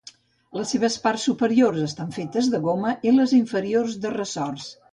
Les seves parts superiors estan fetes de goma, i les inferiors de ressorts.